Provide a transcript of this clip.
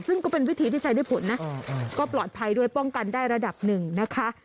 ซึ่งก็เป็นวิธีที่ใช้ได้ผลนะก็ปลอดภัยด้วยป้องกันได้ระดับหนึ่งนะคะ